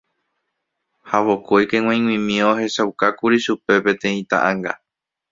ha vokóike g̃uaig̃uimi ohechaukákuri chupe peteĩ ta'ãnga